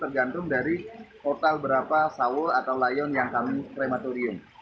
tergantung dari total berapa sawo atau layon yang kami prematorium